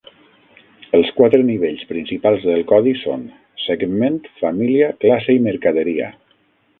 Els quatre nivells principals del codi són: Segment, Família, Classe i Mercaderia.